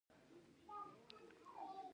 دې د هغې موضوع د ويلو پوره تکل کړی و.